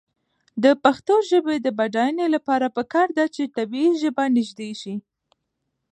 د پښتو ژبې د بډاینې لپاره پکار ده چې طبعي ژبه نژدې شي.